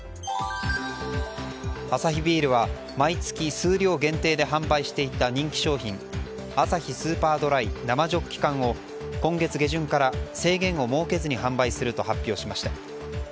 アサヒビールは毎月数量限定で販売していた人気商品、アサヒスーパードライ生ジョッキ缶を今月下旬から制限を設けずに販売すると発表しました。